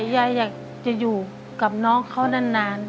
ยายอยากจะอยู่กับน้องเขานาน